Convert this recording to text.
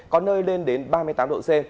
có nơi lên đến ba mươi tám độ c